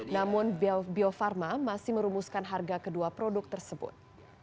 namun bio farma masih merumuskan harga kedua produk tersebut